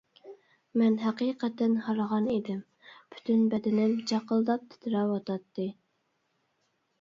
مەن ھەقىقەتەن ھارغان ئىدىم، پۈتۈن بەدىنىم جاقىلداپ تىترەۋاتاتتى.